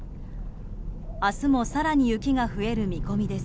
明日も更に雪が増える見込みです。